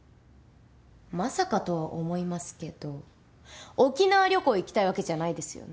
まさかとは思いますけど沖縄旅行行きたいわけじゃないですよね？